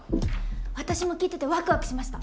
私も聴いててワクワクしました。